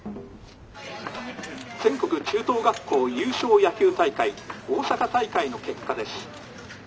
「全国中等学校優勝野球大会大阪大会の結果です」。